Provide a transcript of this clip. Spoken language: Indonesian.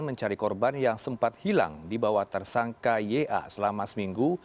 mencari korban yang sempat hilang di bawah tersangka ya selama seminggu